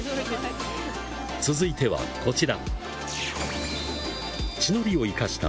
続いてはこちら。